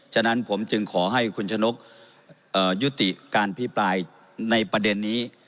ฉะนั้นผมจึงขอให้คุณชนกยุติการพิปรายในประเด็นนี้